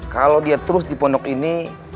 kalau dia terus di pondok ini